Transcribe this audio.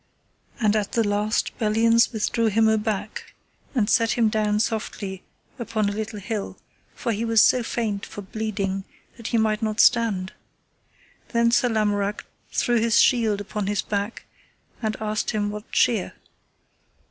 And at the last Belliance withdrew him aback and set him down softly upon a little hill, for he was so faint for bleeding that he might not stand. Then Sir Lamorak threw his shield upon his back, and asked him what cheer.